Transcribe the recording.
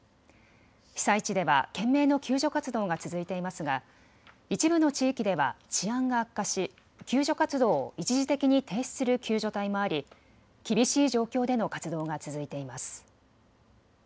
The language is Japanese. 被災地では懸命の救助活動が続いていますが一部の地域では治安が悪化し救助活動を一時的に停止する救助隊もあり、厳しい状況での活動が続いています。